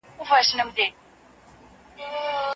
له دې امله پر خلګو قيامتونه راغلل.